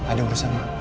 ada urusan ma